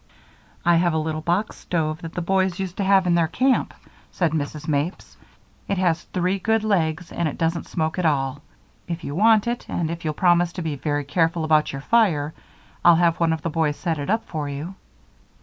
"I have a little box stove that the boys used to have in their camp," said Mrs. Mapes. "It has three good legs and it doesn't smoke at all. If you want it, and if you'll promise to be very careful about your fire, I'll have one of the boys set it up for you."